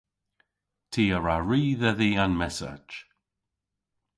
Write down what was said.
Ty a wra ri dhedhi an messach.